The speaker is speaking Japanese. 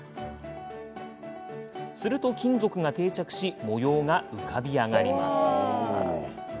すると金属が定着し模様が浮かび上がります。